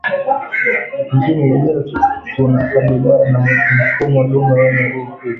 Nchini Liberia tunakabiliana na mfumo dume wenye nguvu kubwa